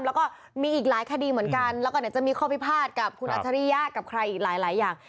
แล้วก็มีอีกหลายคดีเหมือนกันแล้วก็เดี๋ยวจะมีข้อพิพาทกับคุณอัจฉริยะกับใครอีกหลายอย่าง